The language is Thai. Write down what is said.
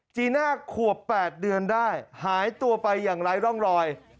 จีน่าขวบ๘เดือนได้หายตัวไปอย่างไร้ร่องรอย